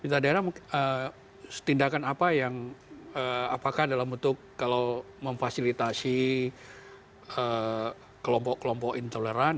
pemerintah daerah tindakan apa yang apakah dalam bentuk kalau memfasilitasi kelompok kelompok intoleran